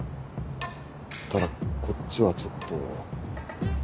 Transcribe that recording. ただこっちはちょっと。